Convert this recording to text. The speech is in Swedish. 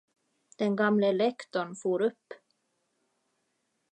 Den gamle lektorn for upp.